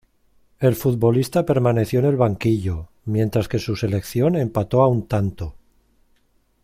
El futbolista permaneció en el banquillo, mientras que su selección empató a un tanto.